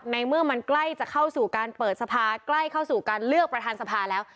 เมื่อมันใกล้จะเข้าสู่การเปิดสภาใกล้เข้าสู่การเลือกประธานสภาแล้ว